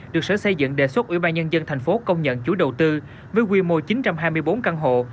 được sở xây dựng đề xuất ủy ban nhân dân thành phố công nhận chủ đầu tư với quy mô chín trăm hai mươi bốn căn hộ